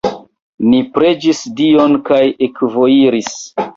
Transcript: Ni preĝis Dion kaj ekvojiris.